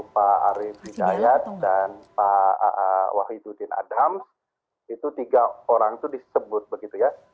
pak arief hidayat dan pak wahidudin adams itu tiga orang itu disebut begitu ya